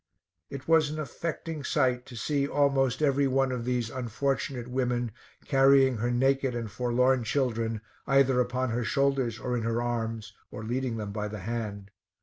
It was an affecting sight to see almost every one of these unfortunate women carrying her naked and forlorn children either upon her shoulders or in her arms, or leading them by the hand.